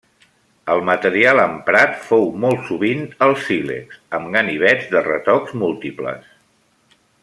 El material emprat fou molt sovint el sílex, amb ganivets de retocs múltiples.